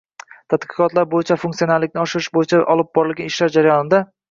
Tadqiqot bo‘yicha funsionallikni oshirish bo‘yicha olib borilgan ishlar jarayonida